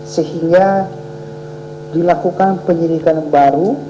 sehingga dilakukan penyidikan baru